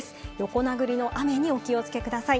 横殴りの雨にお気をつけください。